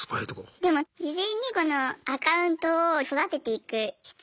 でも事前にこのアカウントを育てていく必要があって。